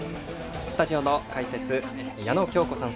スタジオの解説、矢野喬子さん